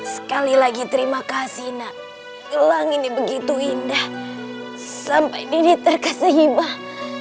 sekali lagi terima kasih nak gelang ini begitu indah sampai nini terkesih imah